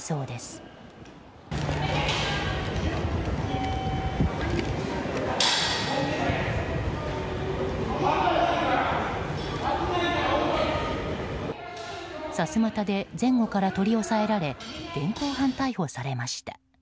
さすまたで前後から取り押さえられ現行犯逮捕されました。